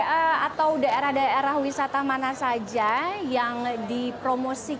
dani tentunya ada target dari penyelenggara seperti apa targetnya dan daerah mana saja yang dipromosikan